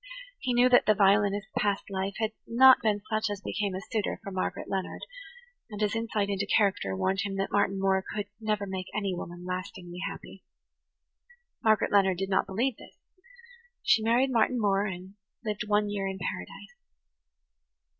He knew that the violinist's past life had not been such as became a suitor for Margaret Leonard; and his insight into character warned him that Martin Moore could never make any woman lastingly happy. Margaret Leonard did not believe this. She married Martin Moore and lived one year in paradise.